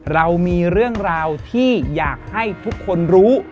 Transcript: เรามีเรื่องราวที่อยากให้ทุกคนรู้